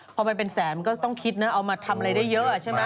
พอมันเป็นแสนก็ต้องคิดนะเอามาทำอะไรได้เยอะใช่ไหม